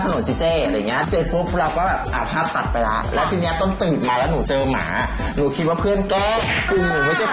นี่หมาหมาหมาใครวะเนี้ยแล้วมันจะอยู่ยังไง